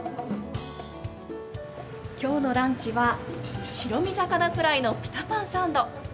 今日のランチは白身魚フライのピタパンサンド。